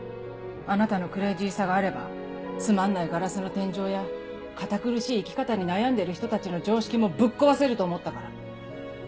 あなたのクレイジーさがあればつまんないガラスの天井や堅苦しい生き方に悩んでる人たちの常識もぶっ壊せると思ったから。